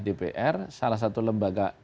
dpr salah satu lembaga